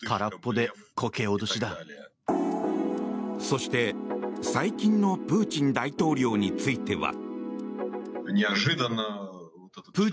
そして、最近のプーチン大統領については。